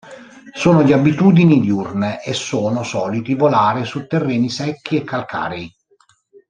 Sono di abitudini diurne e sono soliti volare su terreni secchi e calcarei.